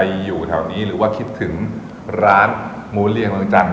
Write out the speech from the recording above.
อยู่แถวนี้หรือว่าคิดถึงร้านหมูเลียงเมืองจัง